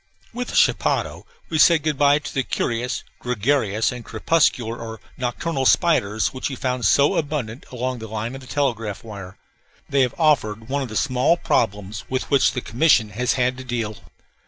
With the chapadao we said good by to the curious, gregarious, and crepuscular or nocturnal spiders which we found so abundant along the line of the telegraph wire. They have offered one of the small problems with which the commission has had to deal.